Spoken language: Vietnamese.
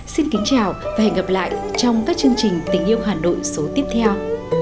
xin kính chào và hẹn gặp lại trong các chương trình tình yêu hà nội số tiếp theo